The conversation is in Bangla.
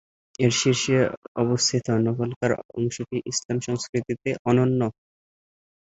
এর শীর্ষে অবস্থিত নলাকার অংশটি ইসলাম সংস্কৃতিতে অনন্য।